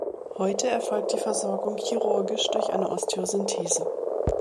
Heute erfolgt die Versorgung chirurgisch durch eine Osteosynthese.